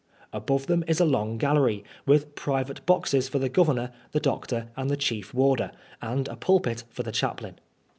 Above them is a long gallery, with private boxes for the governor, the doctor and the chief warder, and a pulpit for the chaplain.